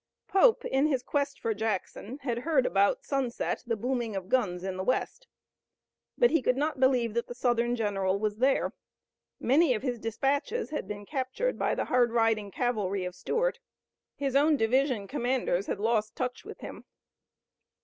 Pope, in his quest for Jackson, had heard about sunset the booming of guns in the west, but he could not believe that the Southern general was there. Many of his dispatches had been captured by the hard riding cavalry of Stuart. His own division commanders had lost touch with him.